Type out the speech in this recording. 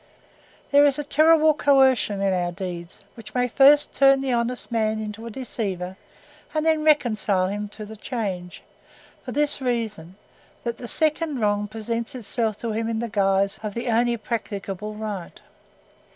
There is a terrible coercion in our deeds, which may first turn the honest man into a deceiver and then reconcile him to the change, for this reason—that the second wrong presents itself to him in the guise of the only practicable right.